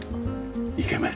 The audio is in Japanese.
イケメン。